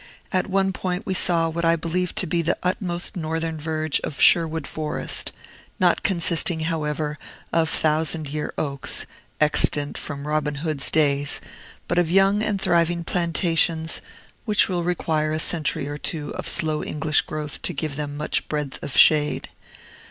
At one point we saw what I believe to be the utmost northern verge of Sherwood Forest, not consisting, however, of thousand year oaks, extant from Robin Hood's days, but of young and thriving plantations, which will require a century or two of slow English growth to give them much breadth of shade.